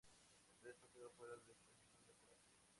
El resto quedó fuera de posición de combate.